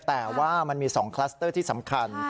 แต่ว่ามันมี๒คลัสเตอร์ที่สำคัญ